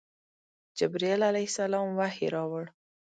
جبرائیل علیه السلام وحی راوړ.